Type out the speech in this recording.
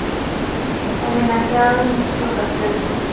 Homenajeado en muchas ocasiones.